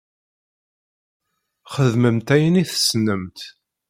Xedmemt ayen i tessnemt.